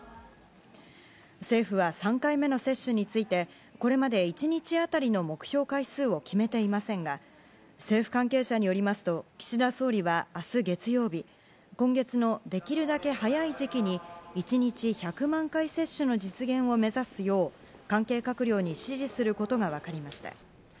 政府は３回目の接種についてこれまで１日当たりの目標回数を決めていませんが政府関係者によりますと岸田総理は明日月曜日今月のできるだけ早い時期に１日１００万回接種の実現を目指すよう関係閣僚に指示することが分かりました。